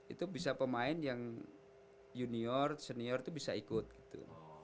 itu bisa pemain yang junior senior itu bisa ikut gitu